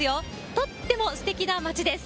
とってもすてきな町です。